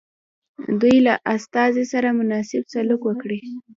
دوی له استازي سره مناسب سلوک وکړي.